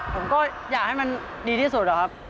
ผมก็อยากให้มันดีที่สุดอะครับ